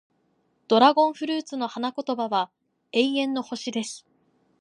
ドラゴンフルーツの花言葉は、永遠の星、です。